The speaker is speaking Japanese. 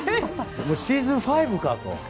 もうシーズン５かと。